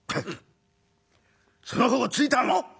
「その歩を突いたの？